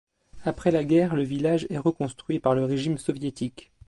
Après la guerre le village est reconstruit par le régime soviétique.